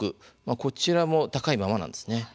こちらも高いままなんですね。